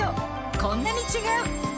こんなに違う！